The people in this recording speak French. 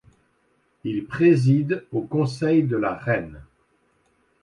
Il préside au conseil de la reine.